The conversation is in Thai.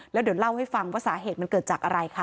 แล้วเดี๋ยวเล่าให้ฟังว่าสาเหตุมันเกิดจากอะไรคะ